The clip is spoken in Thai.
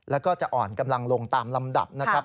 แล้วก็จะอ่อนกำลังลงตามลำดับนะครับ